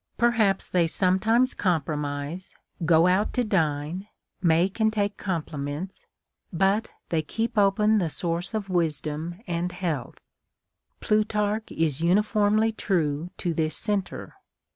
Per haps they sometimes compromise, go out to dine, make and take compliments ; but they keep open the source of wisdom and health. Plutarch is uniformly true to this centre.